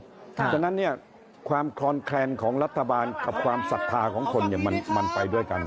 เพราะฉะนั้นเนี่ยความคลอนแคลนของรัฐบาลกับความศรัทธาของคนมันไปด้วยกัน